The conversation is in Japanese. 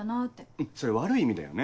うんそれ悪い意味だよね。